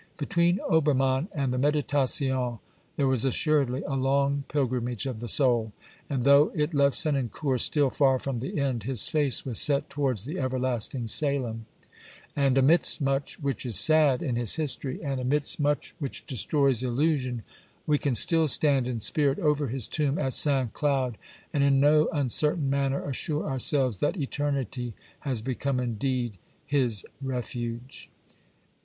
Between Ober mann and the Meditations there was assuredly a long pilgrimage of the soul, and though it left Senancour still far from the end, his face was set towards the everlasting Salem ; and amidst much which is sad in his history, and amidst much which destroys illusion, we can still stand in spirit over his tomb at Saint Cloud, and in no uncertain manner assure ourselves that Eternity has become indeed his refuge.